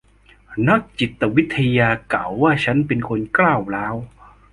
นักจิตวิทยากล่าวว่าฉันเป็นคนก้าวร้าว